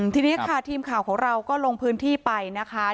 ทีนี้ค่ะทีมข่าวของเราก็ลงพื้นที่ไปนะคะ